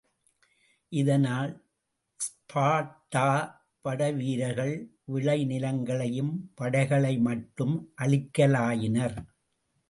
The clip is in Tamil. இதனால் ஸ்பார்ட்டா படைவீரர்கள் விளநிலங்களையும் படைகளையுமட்டும் அழிக்கலாயினர்.